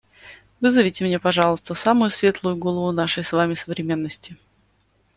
Вызовите мне, пожалуйста, самую светлую голову нашей с вами современности.